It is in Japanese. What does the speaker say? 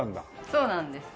そうなんですよ。